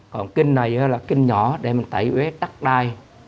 còn kinh này là kinh nhỏ để tẩy huế đắc đai